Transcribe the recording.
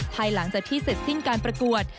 ภายหลังจากที่เสร็จสิ้นการประกวด